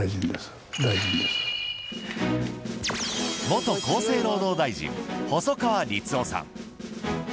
元厚生労働大臣細川律夫さん。